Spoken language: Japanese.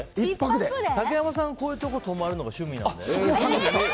竹山さん、こういうところ泊まるのが趣味なんだよね。